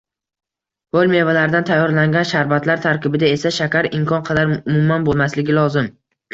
Hoʻl mevalardan tayyorlangan sharbatlar tarkibida esa shakar imkon qadar umuman boʻlmasligi lozim.